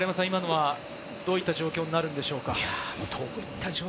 今のはどういった状況になるんでしょうか？